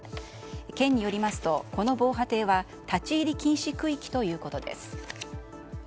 県によりますと、この防波堤は立ち入り禁止区域ということです。